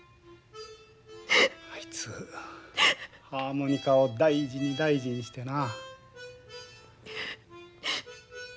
あいつハーモニカを大事に大事にしてな。